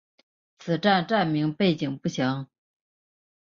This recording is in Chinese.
此站站名背景不详。